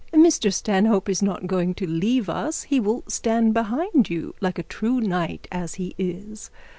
'Mr Stanhope is not going to leave us. He will stand behind you like a true knight as he is.